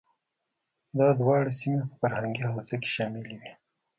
دا دواړه سیمې په فرهنګي حوزه کې شاملې وې.